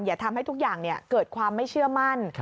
อย่าทำให้ทุกอย่างเกิดความไม่เชื่อมั่น